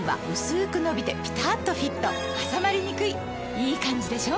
いいカンジでしょ？